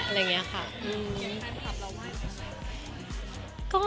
มีแฟนคลับที่เอาไว้มาใช้มา